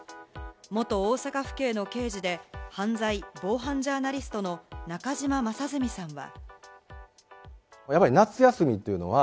元大阪府警の刑事で、犯罪防犯ジャーナリストの中島正純さんは。